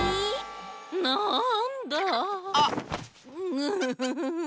ヌフフフ。